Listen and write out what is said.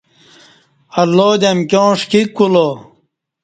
اللہ دی امکیاں ݜکیک کولا